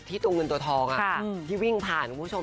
ตัวเงินตัวทองที่วิ่งผ่านคุณผู้ชม